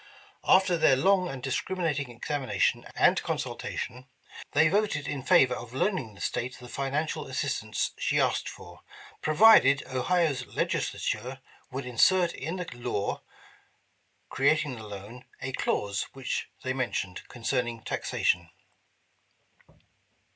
After their long and discriminating examination and consultation, they voted in favor of loaning the State the financial assistance she asked for, provided Ohio's Legislature would insert in the law creating the loan, a clause which they mentioned, concerning taxa tion.